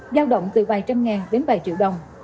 giao động từ vài trăm ngàn đến vài triệu đồng